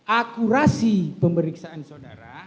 akurasi pemeriksaan saudara